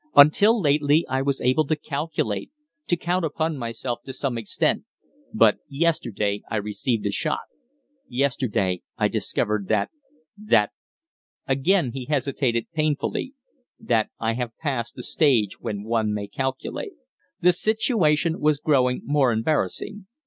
"Until lately I was able to calculate to count upon myself to some extent; but yesterday I received a shock yesterday I discovered that that" again he hesitated painfully "that I have passed the stage when one may calculate." The situation was growing more embarrassing.